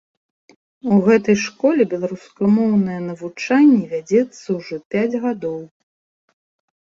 У гэтай школе беларускамоўнае навучанне вядзецца ўжо пяць гадоў.